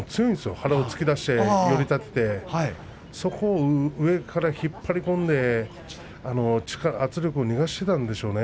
腹を突き出して寄り立ててそれを上から引っ張り込んで圧力を逃がしていたんでしょうね。